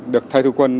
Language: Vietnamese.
được thay thù quân